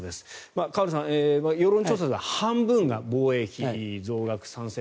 河野さん、世論調査では半分が防衛費増額賛成。